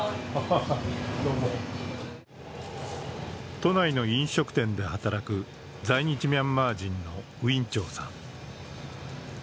都内の飲食店で働く在日ミャンマー人のウィン・チョウさん。